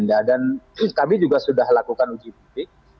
dan kami juga sudah lakukan uji ujik